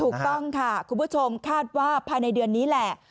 ถูกต้องค่ะคุณผู้ชมคาดว่าภายในเดือนนี้แหละ